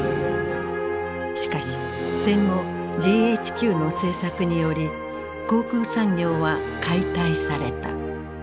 しかし戦後ＧＨＱの政策により航空産業は解体された。